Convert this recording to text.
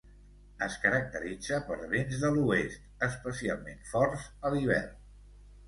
Es caracteritza per vents de l'oest, especialment forts a l'hivern.